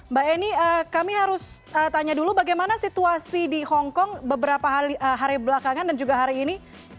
mbak eni kami harus tanya dulu bagaimana situasi di hongkong beberapa hari belakangan dan juga hari ini